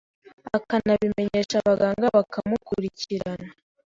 akanabimenyesha abaganga bakamukurikirana